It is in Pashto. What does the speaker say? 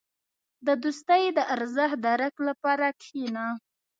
• د دوستۍ د ارزښت درک لپاره کښېنه.